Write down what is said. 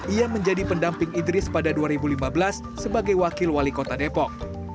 ia menjadi pendamping idris pada dua ribu lima belas sebagai wakil wali kota depok